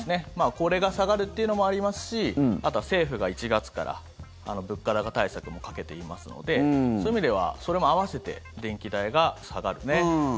これが下がるっていうのもありますしあとは政府が１月から物価高対策もかけていますのでそういう意味ではそれも合わせて電気代が下がる。